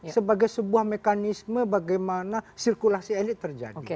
ada kompetensi sebagai sebuah mekanisme bagaimana sirkulasi elit terjadi